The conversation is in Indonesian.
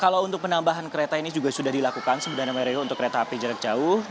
kalau untuk penambahan kereta ini juga sudah dilakukan sebenarnya mario untuk kereta api jarak jauh